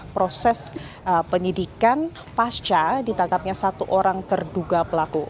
proses penyidikan pasca ditangkapnya satu orang terduga pelaku